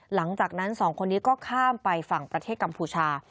หลังจากนั้นสองคนนี้ก็ข้ามไปฝั่งประเทศกัมพูชา